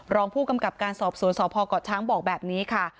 รองผู้กำกับการสอบสวนสพเกาะช้างบอกแบบนี้ค่ะ